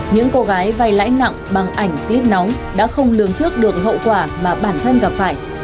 những cô gái vay lãi nặng bằng ảnh clip nóng đã không lường trước được hậu quả mà bản thân gặp phải